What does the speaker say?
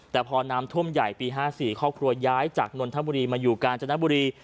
แต่พอน้ำท่วมใหญ่ปี๕๔ครอบครัวย้ายจากนนทบุรีมาอยู่กาญจนบุรี